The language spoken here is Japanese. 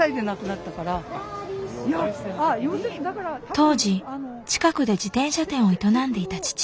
当時近くで自転車店を営んでいた父親。